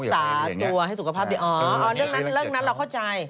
รักษาตัวให้สุขภาพดีเรื่องนั้นเราเข้าใจ